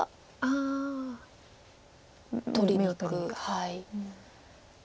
はい。